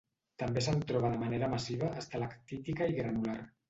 També se'n troba de manera massiva, estalactítica i granular.